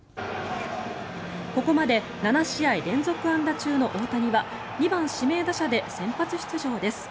ここまで７試合連続安打中の大谷は２番指名打者で先発出場です。